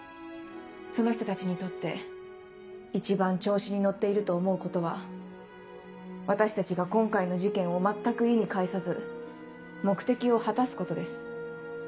その人たちにとって一番調子に乗っていると思うことは私たちが今回の事件を全く意に介さず目的を果たすことです。